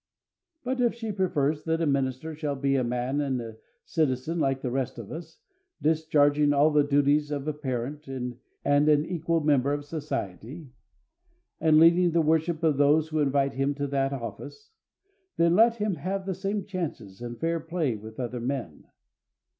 But if she prefers that a minister shall be a man and a citizen, like the rest of us, discharging all the duties of a parent and an equal member of society, and leading the worship of those who invite him to that office then let him have the same chances and fair play with other men.